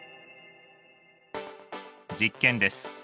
実験です。